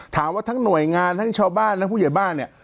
ถามว่าทั้งหน่วยงานทั้งชาวบ้านและผู้ใหญ่บ้านเนี่ย